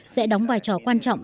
sẽ đóng vai trò quan trọng